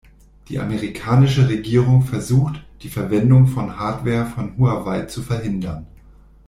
Die amerikanische Regierung versucht, die Verwendung von Hardware von Huawei zu verhindern.